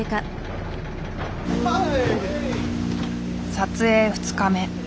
撮影２日目。